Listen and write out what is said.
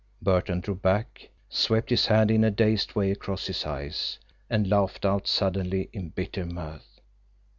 Burton drew back, swept his hand in a dazed way across his eyes and laughed out suddenly in bitter mirth.